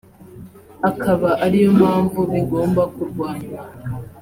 akaba ari yo mpamvu bigomba kurwanywa